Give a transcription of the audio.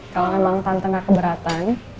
kalau emang tante gak keberatan